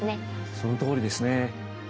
そのとおりですね。